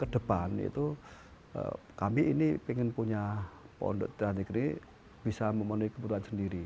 kedepan itu kami ini ingin punya pondok tea negeri bisa memenuhi kebutuhan sendiri